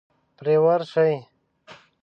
پرې ورشئ.